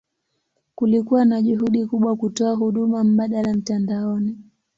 Kulikuwa na juhudi kubwa kutoa huduma mbadala mtandaoni.